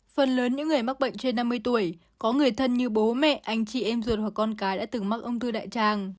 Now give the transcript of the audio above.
phần lớn những người mắc bệnh trên năm mươi tuổi có người thân như bố mẹ anh chị em ruột hoặc con cái đã từng mắc ung thư đại tràng